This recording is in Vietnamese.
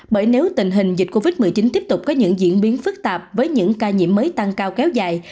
bởi nếu tình hình dịch covid một mươi chín tiếp tục có những diễn biến phức tạp với những ca nhiễm mới tăng cao kéo dài